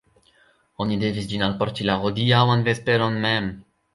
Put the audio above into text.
Oni devis ĝin alporti la hodiaŭan vesperon mem.